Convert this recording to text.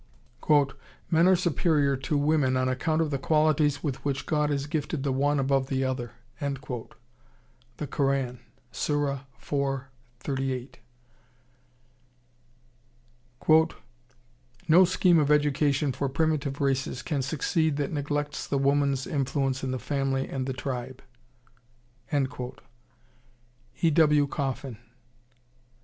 "Men are superior to women on account of the qualities with which God has gifted the one above the other." The Koran, Sura 4.38. "No scheme of education for primitive races can succeed that neglects the woman's influence in the family and the tribe." E. W. Coffin.